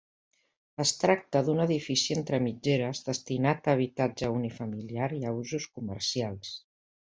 Es tracta d'un edifici entre mitgeres destinat a habitatge unifamiliar i a usos comercials.